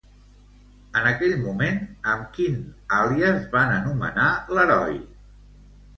En aquell moment, amb quin àlies van anomenar l'heroi?